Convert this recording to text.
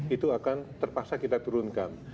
itu akan terpaksa kita turunkan